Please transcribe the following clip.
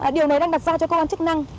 điều này đang đặt ra cho cơ quan chức năng